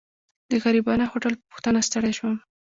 د غريبانه هوټل په پوښتنه ستړی شوم.